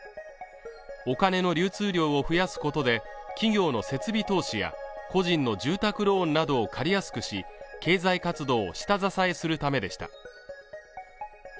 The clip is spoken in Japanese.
お金の流通量を増やすことで企業の設備投資や個人の住宅ローンなどを借りやすくし経済活動を下支えするためでした